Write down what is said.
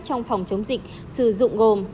trong phòng chống dịch sử dụng gồm